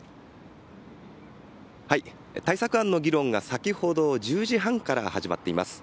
対策案の議論が先ほど１０時半から始まっています。